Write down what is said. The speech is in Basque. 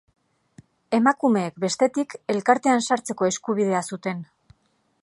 Emakumeek, bestetik, elkartean sartzeko eskubidea zuten.